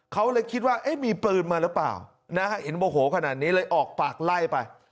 เขาเลยคิดว่ามีปืนมาหรือเปล่านะฮะเห็นโมโหขนาดนี้เลยออกปากไล่ไป